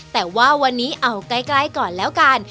แต่ว่าวันนี้เอาใกล้ก่อนแล้วกัน